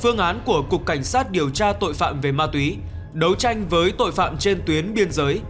phương án của cục cảnh sát điều tra tội phạm về ma túy đấu tranh với tội phạm trên tuyến biên giới